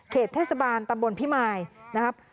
เทศบาลตำบลพิมายนะครับ